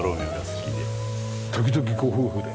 時々ご夫婦で？